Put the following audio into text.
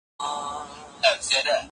نه له زوره د زلمیو مځکه ګډه په اتڼ ده